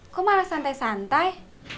kok malah santai santai